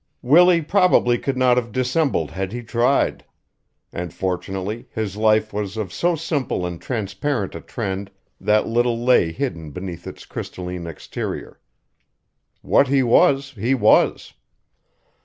Willie probably could not have dissembled had he tried, and fortunately his life was of so simple and transparent a trend that little lay hidden beneath its crystalline exterior. What he was he was.